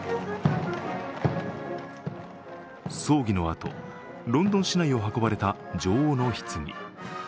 葬儀のあと、ロンドン市内を運ばれた女王のひつぎ。